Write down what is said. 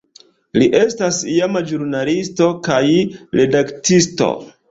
Li estas iama ĵurnalisto kaj redaktisto.